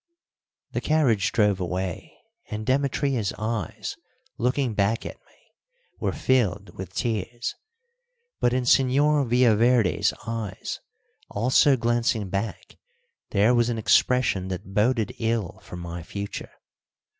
The carriage drove away, and Demetria's eyes, looking back at me, were filled with tears, but in Señor Villaverde's eyes, also glancing back, there was an expression that boded ill for my future.